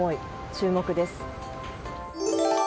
注目です。